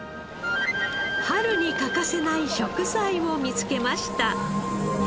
春に欠かせない食材を見つけました。